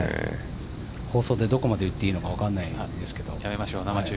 放送でどこまで言っていいのか分からないですけど。